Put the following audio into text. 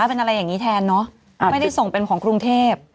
เป็นอะไรอย่างนี้แทนเนอะไม่ได้ส่งเป็นของกรุงเทพ